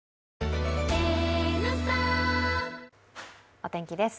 お天気です。